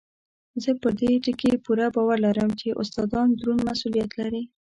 زه پر دې ټکي پوره باور لرم چې استادان دروند مسؤلیت لري.